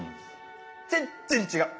全然違う。